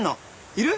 いる？